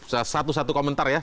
satu satu komentar ya